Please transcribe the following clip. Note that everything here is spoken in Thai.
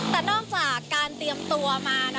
แต่นอกจากการเตรียมตัวมา